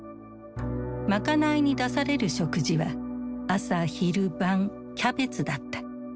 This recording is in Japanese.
賄いに出される食事は朝昼晩キャベツだった。